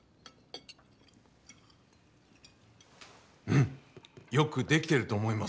うんよく出来てると思います。